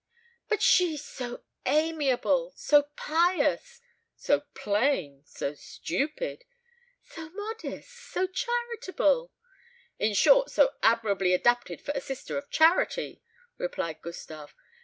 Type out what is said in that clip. "But she, so amiable, so pious " "So plain, so stupid " "So modest, so charitable " "In short, so admirably adapted for a Sister of Charity," replied Gustave.